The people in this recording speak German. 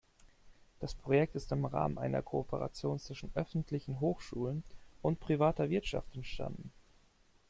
Das Projekt ist im Rahmen einer Kooperation zwischen öffentlichen Hochschulen und privater Wirtschaft entstanden.